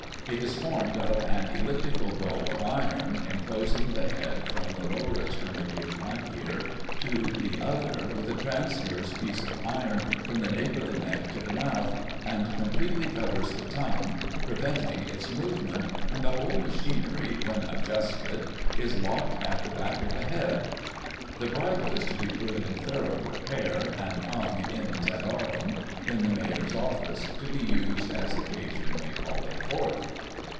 It is formed of an elliptical bow of iron, enclosing the head from the lower extremity of one ear to the other, with a transverse piece of iron from the nape of the neck to the mouth, and completely Digiti ized by Google 1838] SCOLD'S BRIDLES. 43 covers the tongue, preventing its movement, and the whole machinery, when adjusted, is locked at the back of the head. The bridle is to be put in thorough repair, and hung in terrorem in the Mayor's office, to be used as occasion may call it forth."